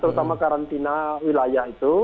terutama karantina wilayah itu